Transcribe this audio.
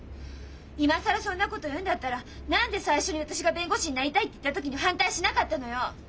今更そんなこと言うんだったら何で最初に私が弁護士になりたいって言った時に反対しなかったのよ！